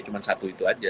bukan selalu itu aja